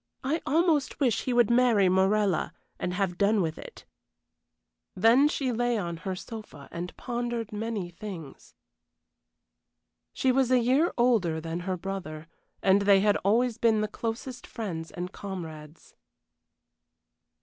I almost wish he would marry Morella and have done with it." Then she lay on her sofa and pondered many things. She was a year older than her brother, and they had always been the closest friends and comrades.